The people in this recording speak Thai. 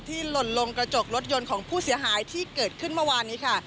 หล่นลงกระจกรถยนต์ของผู้เสียหายที่เกิดขึ้นเมื่อวานนี้ค่ะ